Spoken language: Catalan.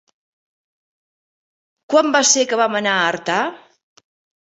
Quan va ser que vam anar a Artà?